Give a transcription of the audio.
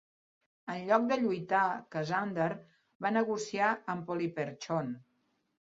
En lloc de lluitar, Cassander va negociar amb Polyperchon.